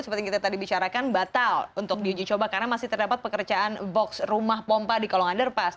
seperti yang kita tadi bicarakan batal untuk diuji coba karena masih terdapat pekerjaan box rumah pompa di kolong underpass